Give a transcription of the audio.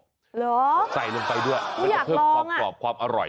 เหรอดูอยากลองอ่ะใส่ลงไปด้วยมันก็เพิ่มความกรอบความอร่อย